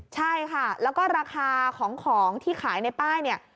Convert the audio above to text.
ใช่ค่ะแล้วก็ราคาของของที่ขายในป้ายเนี่ย